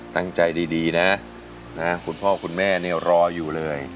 ตั้งใจดีนะคุณพ่อคุณแม่เนี่ยรออยู่เลย